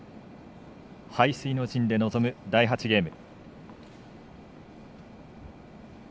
背水の陣で臨む第８ゲーム。